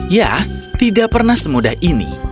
ya tidak pernah semudah ini